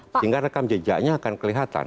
sehingga rekam jejaknya akan kelihatan